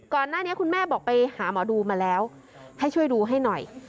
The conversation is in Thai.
ก่อนหน้านี้คุณแม่บอกไปหาหมอดูมาแล้วให้ช่วยดูให้หน่อย